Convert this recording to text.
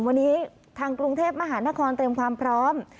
วันนี้ทางกรุงเทพมหานครเตรียมความพร้อม